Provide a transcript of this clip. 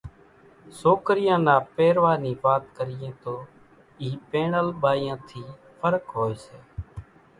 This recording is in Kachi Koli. سوڪريان نا پيرواۿ نِي وات ڪريئين تو اِي پيڻل ٻايان ٿِي ڦرق هوئيَ سي۔